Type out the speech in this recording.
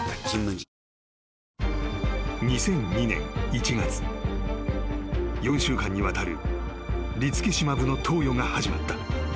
続く［４週間にわたるリツキシマブの投与が始まった］